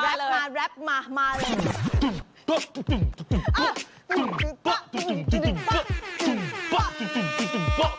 มาเลยแร็ปมามาเลย